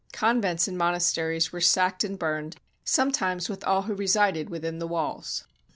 Convents and monasteries were sacked and burned, sometimes with all who resided within the walls.